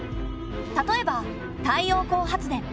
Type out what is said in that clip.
例えば太陽光発電。